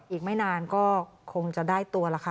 อีกไม่นานก็คงจะได้ตัวละค่ะ